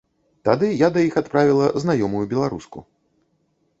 Тады я да іх адправіла знаёмую беларуску.